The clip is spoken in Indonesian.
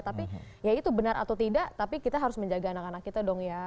tapi ya itu benar atau tidak tapi kita harus menjaga anak anak kita dong ya